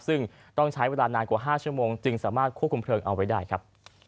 ซึ่งต้องใช้เวลานานกว่า๕ชั่วโมงจึงสามารถควบคุมเพลิงเอาไว้ได้ครับ